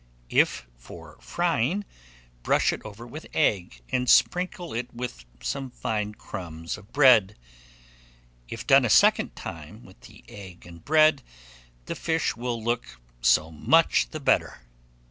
If for frying, brush it over with egg, and sprinkle it with some fine crumbs of bread. If done a second time with the egg and bread, the fish will look so much the better.